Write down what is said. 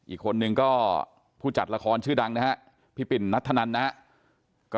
อีกคนนึงก็ผู้จัดละครชื่อดังนะฮะพี่ปิ่นนัทธนันนะครับ